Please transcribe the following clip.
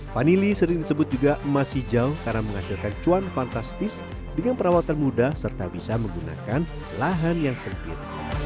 vanili sering disebut juga emas hijau karena menghasilkan cuan fantastis dengan perawatan mudah serta bisa menggunakan lahan yang sempit